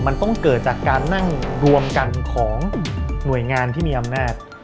มันต้องเกิดจากการนั่งรวมกันของหน่วยงานที่มีอำนาจ